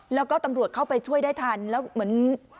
แล้วก็ตำรวจเข้าไปช่วยได้ทันแล้วเหมือน